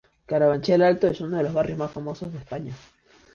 Carabanchel Alto es uno de los barrios más famosos de España.